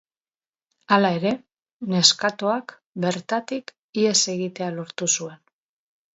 Hala ere, neskatoak bertatik ihes egitea lortu zuen.